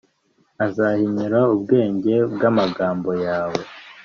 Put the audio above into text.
Azahinyura ubwenge bw amagambo yawe